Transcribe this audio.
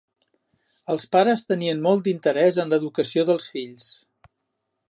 Els pares tenien molt d'interès en l'educació dels fills.